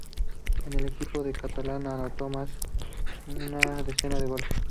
En el equipo catalán anotó más de una decena de goles.